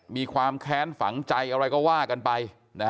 มีความแค้นฝังใจอะไรก็ว่ากันไป